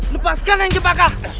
lepaskan yang jembatan